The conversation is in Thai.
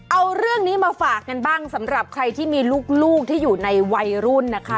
เอาเรื่องนี้มาฝากกันบ้างสำหรับใครที่มีลูกที่อยู่ในวัยรุ่นนะคะ